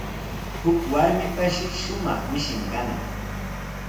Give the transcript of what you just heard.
Huk warmipashi shumaq mishin kanaq.